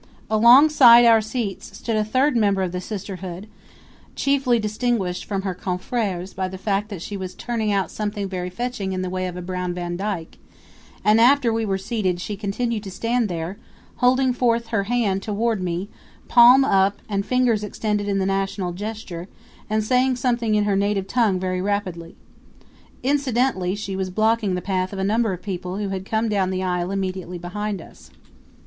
Alongside our seats stood a third member of the sisterhood, chiefly distinguished from her confreres by the fact that she was turning out something very fetching in the way of a brown vandyke; and after we were seated she continued to stand there, holding forth her hand toward me, palm up and fingers extended in the national gesture, and saying something in her native tongue very rapidly. Incidentally she was blocking the path of a number of people who had come down the aisle immediately behind us.